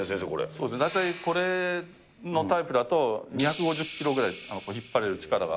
そうですね、大体これのタイプだと、２５０キロぐらい引っ張れる力が。